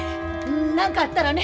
何かあったらね